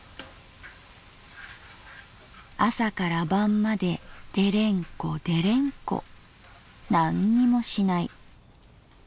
「朝から晩までデレンコデレンコ―――なんにもしない。